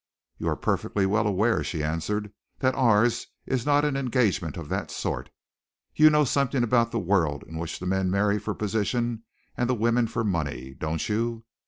"You are perfectly well aware," she answered, "that ours is not an engagement of that sort. You know something about the world in which the men marry for position and the women for money, don't you?